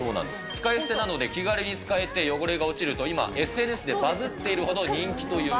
使い捨てなので、気軽に使えて、汚れが落ちると今、ＳＮＳでバズっているほど人気という。